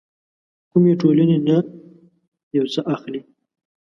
کومې ټولنې نه يو څه اخلي.